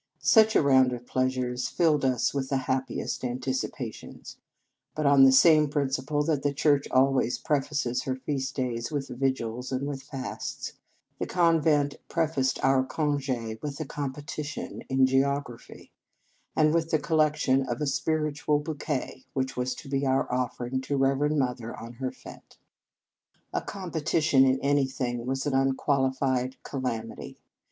Such a round of pleasures filled us with the happiest anticipations; but on the same principle that the Church always prefaces her feast days with vigils and with fasts the convent prefaced our conge with a competition in geography, and with the collection of a " spiritual bouquet," which was to be our offer ing to Reverend Mother on her fete. 183 In Our Convent Days A competition in anything was an unqualified calamity.